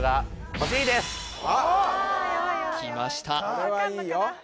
これはいいよ